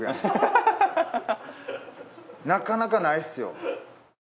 なかなかないっすよ。